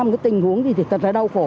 một cái tình huống gì thì thật là đau khổ